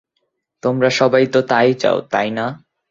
তোমরা সবাই তো তাই চাও, তাই না?